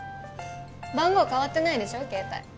番号変わってないでしょ携帯。